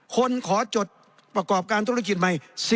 ขอจดประกอบการธุรกิจใหม่